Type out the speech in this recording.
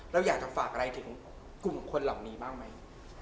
แล้วอยากที่จะฝากหลายทั้งกลุ่มของคนนั้นบ้างไหม